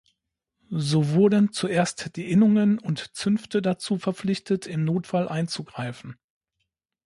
So wurden zuerst die Innungen und Zünfte dazu verpflichtet im Notfall einzugreifen.